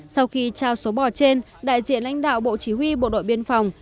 sau khi trao số bò trên đại diện lãnh đạo bộ chỉ huy bộ đội biên phòng